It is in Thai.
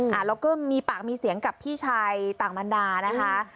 แล้วก็มีปากมีเสียงกับพี่ชายต่างบรรดานะคะ